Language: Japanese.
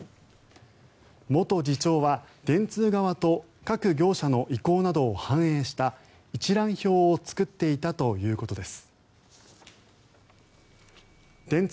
元次長は電通側と各業者の意向などを反映した一覧表を作っていたということです。